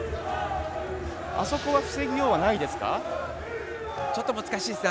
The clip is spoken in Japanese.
あそこは防ぎようがないですか？